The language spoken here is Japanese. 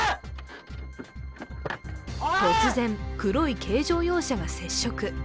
突然、黒い軽乗用車が接触。